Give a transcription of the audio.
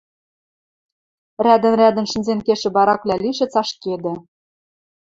Рӓдӹн-рӓдӹн шӹнзен кешӹ бараквлӓ лишӹц ашкедӹ.